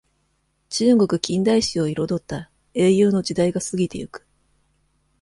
中国近代史をいろどった、英雄の時代が過ぎてゆく。